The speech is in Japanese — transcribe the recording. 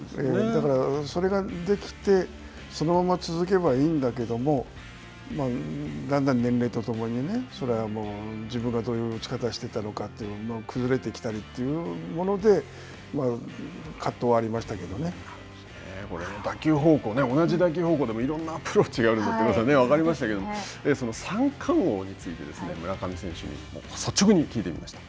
だから、それができて、そのまま続けばいいんだけどもだんだん年齢とともにそれはもう自分がどういう打ち方をしていたのか崩れてきたりというもので、葛藤打球方向、同じ打球方向でもいろんなアプローチがあるということが分かりましたけど三冠王について、村上選手に率直に聞いてみました。